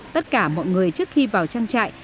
tất cả mọi người trước khi vào trang trại